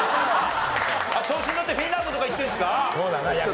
調子にのってフィンランドとか行ってるんですか？